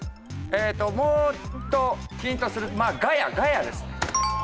えーっともっとヒントまあガヤガヤですね。